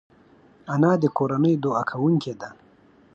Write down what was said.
انا د کورنۍ دعا کوونکې ده